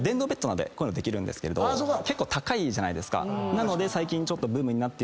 なので。